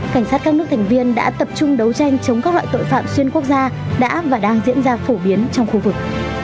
cảnh sát các nước thành viên đã tập trung đấu tranh chống các loại tội phạm xuyên quốc gia đã và đang diễn ra phổ biến trong khu vực